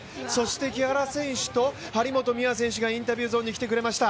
木原選手と張本選手がインタビューゾーンに来ていただきました。